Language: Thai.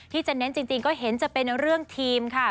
ที่จะเน้นจริงก็เห็นจะเป็นเรื่องทีมค่ะ